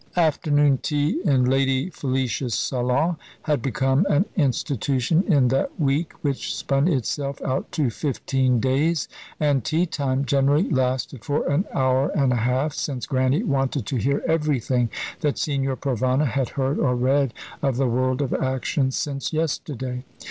Afternoon tea in Lady Felicia's salon had become an institution in that week which spun itself out to fifteen days, and tea time generally lasted for an hour and a half, since Grannie wanted to hear everything that Signor Provana had heard or read of the world of action since yesterday.